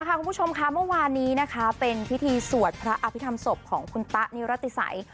คุณผู้ชมค่ะเมื่อวานนี้นะคะเป็นพิธีสวดพระอภิษฐรรมศพของคุณตะนิรติศัย